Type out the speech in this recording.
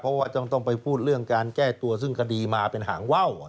เพราะว่าต้องไปพูดเรื่องการแก้ตัวซึ่งคดีมาเป็นหางว่าว